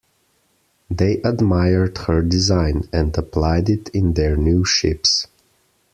They admired her design, and applied it in their new ships.